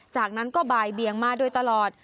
จากนั้นก็บ่ายเบียงมาโดยตลอด